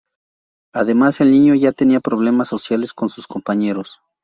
Además el niño ya tendrá problemas sociales con sus compañeros.